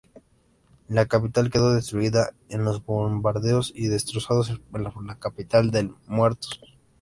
La capital quedó destruida por los bombardeos y desolada por la cantidad de muertos.